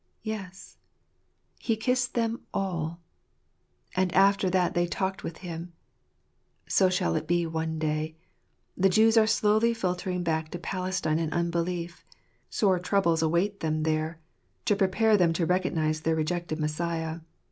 Yes. He kissed them all And after that they talked with him. So shall it be one day. The Jews are slowly filtering back to Palestine in unbelief. Sore troubles await them there, to prepare them to recognize their rejected Messiah.